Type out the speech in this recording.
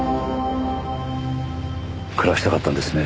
暮らしたかったんですね